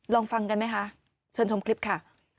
ลองฟังกันไหมคะเชิญชมคลิปค่ะ